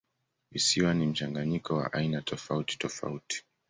Visiwa ni mchanganyiko wa aina tofautitofauti.